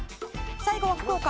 最後は福岡。